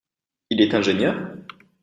Il est ingénieur?